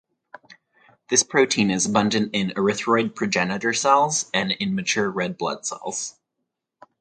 This protein is abundant in erythroid progenitor cells and in mature red blood cells.